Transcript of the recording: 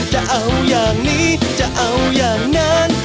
จะเอาอย่างนี้จะเอาอย่างนั้น